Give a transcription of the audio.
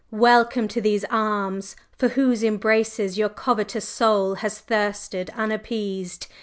Welcome to these arms, for whose embraces your covetous soul has thirsted unappeased!